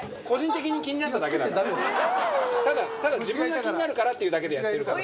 ただ自分が気になるからっていうだけでやってるから。